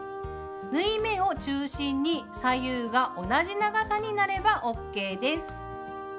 縫い目を中心に左右が同じ長さになればＯＫです。